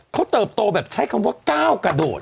เขาเติบโตแบบใช้คำว่าก้าวกระโดด